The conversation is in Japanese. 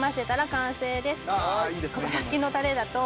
完成です！